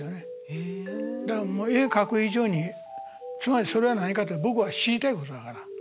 だから絵描く以上につまりそれは何かって僕が知りたいことだから。